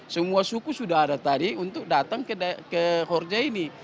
semua suku sudah ada tadi untuk datang ke jorja ini